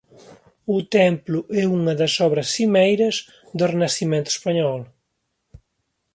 O templo é unha das obras cimeiras do Renacemento español.